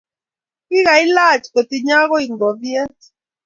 Kigailach kotinyi ago ngoviet--